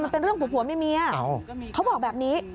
มันเป็นเรื่องผัวเมียเขาบอกแบบนี้